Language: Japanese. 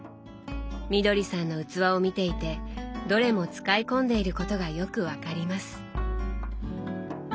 みどりさんの器を見ていてどれも使い込んでいることがよく分かります。